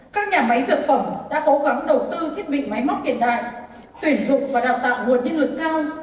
các nhà máy dược phẩm đã cố gắng đầu tư thiết bị máy móc hiện đại tuyển dụng và đào tạo nguồn nhân lực cao